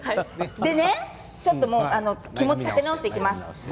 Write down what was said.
気持ちを立て直していきます。